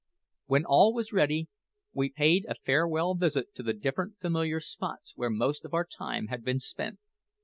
When all was ready, we paid a farewell visit to the different familiar spots where most of our time had been spent.